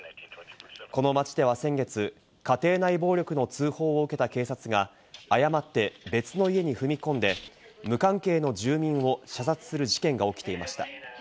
この町では先月、家庭内暴力の通報を受けた警察が誤って別の家に踏み込んで、無関係の住民を射殺する事件が起きていました。